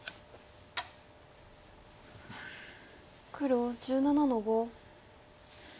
黒１７の五。